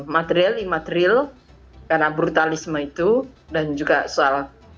material imaterial karena brutalisme itu dan juga soal